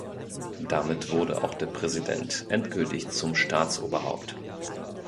Damit wurde auch der Präsident endgültig zum Staatsoberhaupt.